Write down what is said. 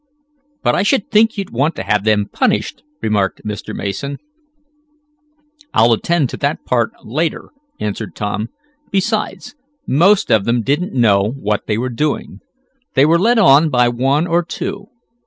"But I should think you'd want to have them punished," remarked Mr. Mason. "I'll attend to that part later," answered Tom. "Besides, most of them didn't know what they were doing. They were led on by one or two.